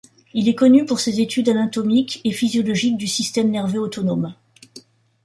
Il est connu pour ses études anatomiques et physiologiques du système nerveux autonome.